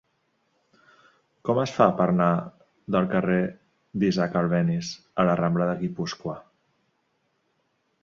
Com es fa per anar del carrer d'Isaac Albéniz a la rambla de Guipúscoa?